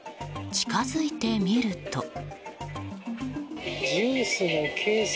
近づいてみると。